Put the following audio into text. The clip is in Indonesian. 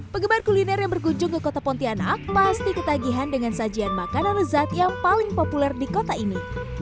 penggemar kuliner yang berkunjung ke kota pontianak pasti ketagihan dengan sajian makanan lezat yang paling populer di kota ini